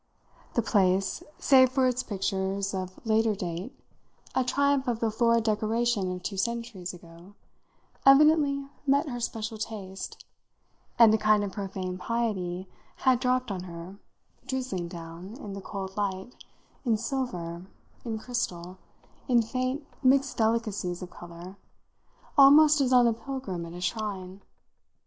The place, save for its pictures of later date, a triumph of the florid decoration of two centuries ago, evidently met her special taste, and a kind of profane piety had dropped on her, drizzling down, in the cold light, in silver, in crystal, in faint, mixed delicacies of colour, almost as on a pilgrim at a shrine.